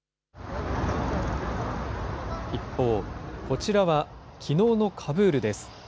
一方、こちらはきのうのカブールです。